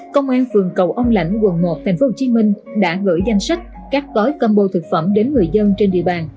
công an phường cầu ông lãnh quận một tp hcm đã gửi danh sách các gói combo thực phẩm đến người dân trên địa bàn